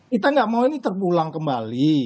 kita nggak mau ini terulang kembali